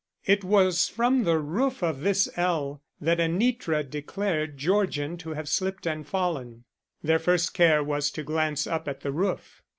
It was from the roof of this ell that Anitra declared Georgian to have slipped and fallen. Their first care was to glance up at the roof.